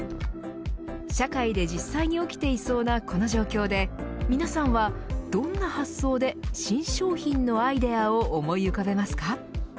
社会で実際に起きていそうなこの状況で皆さんは、どんな発想で新商品のアイデアを思い浮かべますか。